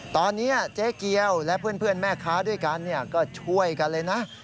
ตอนนี้เจ๊เกียวและเพื่อนแม่ค้าด้วยกันก็ช่วยกันเลยนะ